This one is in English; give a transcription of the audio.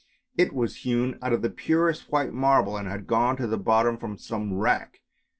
It was hewn out of the purest white marble and had gone to the bottom from some wreck.